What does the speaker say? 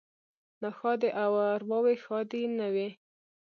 ـ ناښادې ارواوې ښادې نه وي.